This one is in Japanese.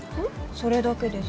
それだけです。